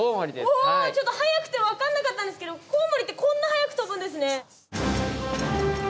ちょっと速くて分かんなかったんですけどコウモリってこんな速く飛ぶんですね。